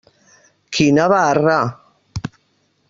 Quina barra!